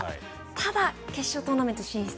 ただ、決勝トーナメント進出